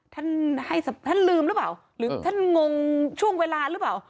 ท่านให้ท่านลืมหรือเปล่าหรือท่านงงช่วงเวลาหรือเปล่า